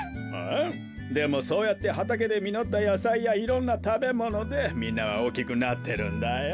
でもそうやってはたけでみのったやさいやいろんなたべものでみんなはおおきくなってるんだよ。